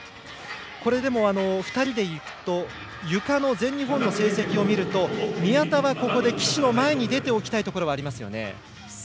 これ、でも、２人でいくとゆかの全日本の成績を見ると宮田はここで岸の前に出ておきたいところがありますね。